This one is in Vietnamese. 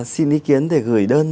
xin ý kiến để gửi đơn